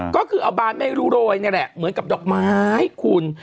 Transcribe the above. ก็คือเอาบานไม่รู้โรยนี่แหละเหมือนกับดอกไม้คุณ